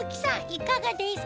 いかがですか？